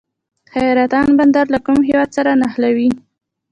حیرتان بندر له کوم هیواد سره نښلوي؟